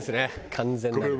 完全なる。